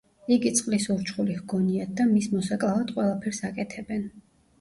იგი წყლის ურჩხული ჰგონიათ და მის მოსაკლავად ყველაფერს აკეთებენ.